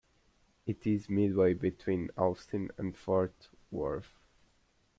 It is midway between Austin and Fort Worth.